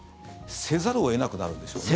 せざるを得なくなるんでしょうね。